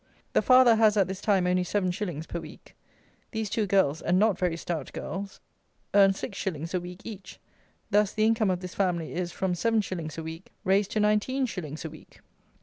The father has at this time only 7_s._ per week. These two girls (and not very stout girls) earn six shillings a week each: thus the income of this family is, from seven shillings a week, raised to nineteen shillings a week.